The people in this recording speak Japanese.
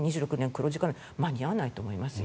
黒字化間に合わないと思いますよ。